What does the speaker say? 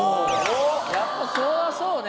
やっぱそれはそうね。